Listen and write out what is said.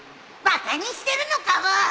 バカにしてるのかブー